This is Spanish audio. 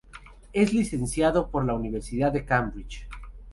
Es licenciado por la Universidad de Cambridge.